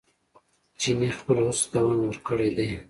چیني خپلو هڅو ته دوام ورکړی دی.